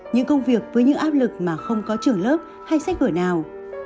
những công việc với những áp lực mà không có trưởng lớp hay sách gửi nào